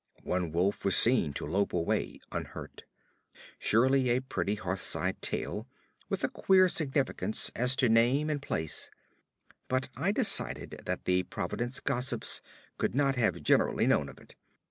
One wolf was seen to lope away unhurt. Surely a pretty hearthside tale, with a queer significance as to name and place; but I decided that the Providence gossips could not have generally known of it.